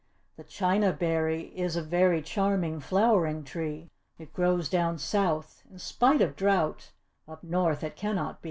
The china berry is a very charming, flowering tree. It grows down south, in spite of drought up north it cannot be.